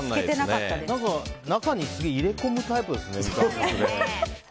中に入れ込むタイプですね三上さん。